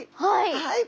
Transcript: はい。